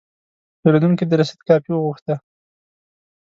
پیرودونکی د رسید کاپي وغوښته.